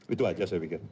itu aja saya pikir